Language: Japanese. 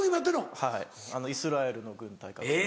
はいイスラエルの軍隊格闘技。